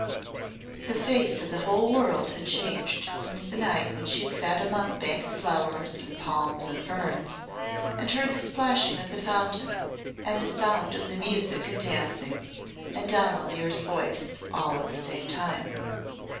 The face of the whole world had changed since the night when she had sat among banked flowers and palms and ferns, and heard the splashing of the fountain and the sound of the music and dancing, and Donal Muir's voice, all at the same time.